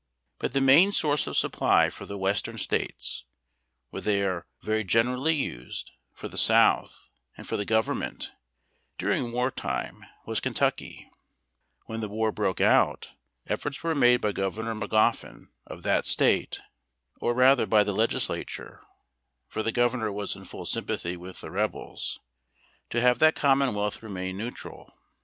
But the main source of supply for the Western States, where they are very generally used, for the South, and for the government, during war time, was Kentuck3^ When the war ))roke out, efforts were made by Governor Magoffin of that State — or rather by the Legislature, for the Governor was in full sympathy with the Rebels — to have that com monwealth remain neutral.